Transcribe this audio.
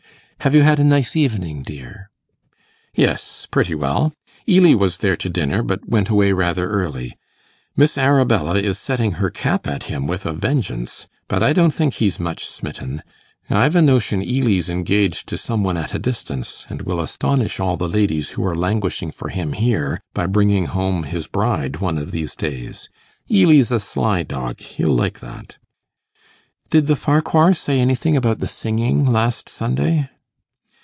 'Have you had a nice evening, dear?' 'Yes, pretty well. Ely was there to dinner, but went away rather early. Miss Arabella is setting her cap at him with a vengeance. But I don't think he's much smitten. I've a notion Ely's engaged to some one at a distance, and will astonish all the ladies who are languishing for him here, by bringing home his bride one of these days. Ely's a sly dog; he'll like that.' 'Did the Farquhars say anything about the singing last Sunday?